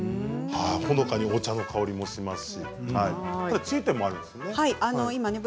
ほのかにお茶の香りもしますしただ注意点もあるんです。